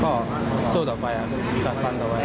ก็สู้ต่อไปครับกักฟันต่อไป